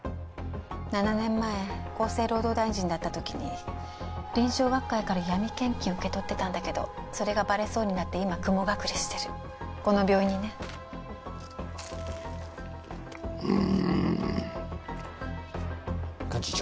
７年前厚生労働大臣だった時に臨床学会から闇献金を受け取ってたんだけどそれがバレそうになって今雲隠れしてるこの病院にねうん幹事長